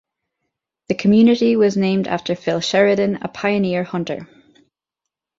The community was named after Phil Sheridan, a pioneer hunter.